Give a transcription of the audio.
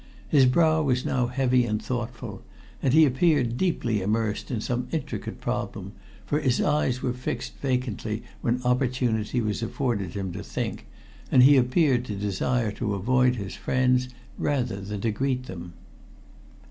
His brow was now heavy and thoughtful, and he appeared deeply immersed in some intricate problem, for his eyes were fixed vacantly when opportunity was afforded him to think, and he appeared to desire to avoid his friends rather than to greet them.